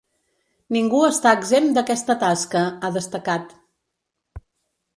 Ningú està exempt d’aquesta tasca, ha destacat.